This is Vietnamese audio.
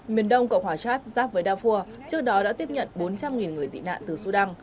miền đông cộng hòa chad giáp với darfur trước đó đã tiếp nhận bốn trăm linh người tị nạn từ sudan